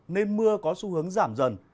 nên mưa có xu hướng giảm dần